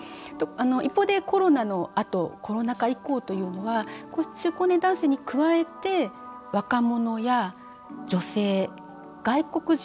一方で、コロナのあとコロナ禍以降というのは中高年男性に加えて若者や女性、外国人。